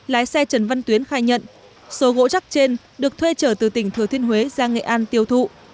lái xe trần văn tuyến khai nhận số gỗ chắc trên được thuê trở từ tỉnh thừa thiên huế ra nghệ an tiêu thụ